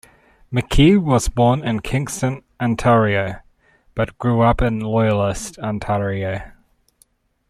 McKee was born in Kingston, Ontario, but grew up in Loyalist, Ontario.